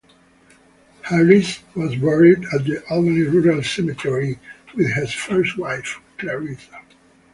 Harris was buried at the Albany Rural Cemetery with his first wife, Clarissa.